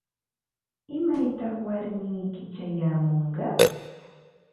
¿Imaytaq warmiyki chayamunqa?